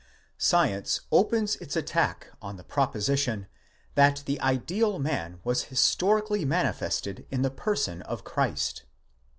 Science opens its attack on the proposition, that the ideal man was historically manifested in the person of Christ.